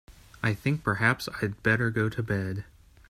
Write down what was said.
I think perhaps I'd better go to bed.